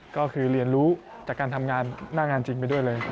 ก็คือเรียนรู้จากการทำงานหน้างานจริงไปด้วยเลย